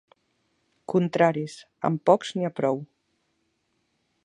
Contraris, amb pocs n'hi ha prou.